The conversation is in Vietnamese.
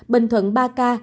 bình thuận ba ca